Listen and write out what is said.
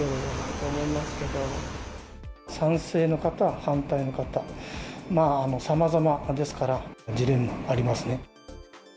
賛成の方、反対の方、さまざまですから、ジレンマはありますね。